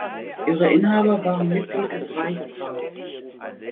Ihre Inhaber waren Mitglied des Reichsrats.